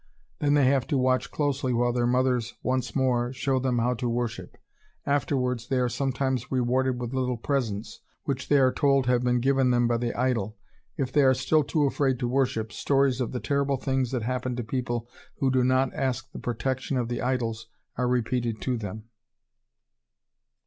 Then they have to watch closely while their mothers once more show them how to worship. Afterwards they are sometimes rewarded with little presents, which they are told have been given them by the idol. If they are still too afraid to worship, stories of the terrible things that happen to people who do not ask the protection of the idols are repeated to them.